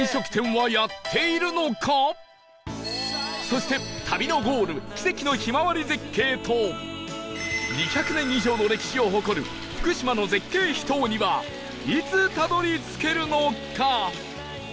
そして旅のゴール奇跡のひまわり絶景と２００年以上の歴史を誇る福島の絶景秘湯にはいつたどり着けるのか？